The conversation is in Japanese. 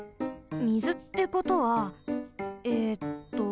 みずってことはえっと